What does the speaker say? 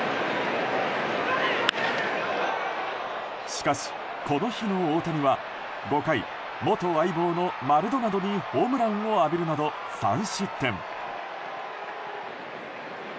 しかし、この日の大谷は５回元相棒のマルドナドにホームランを浴びるなど３失点。